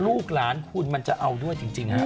ลูกหลานคุณมันจะเอาด้วยจริงฮะ